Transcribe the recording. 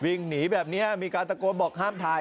วิ่งหนีแบบนี้มีการตะโกนบอกห้ามถ่าย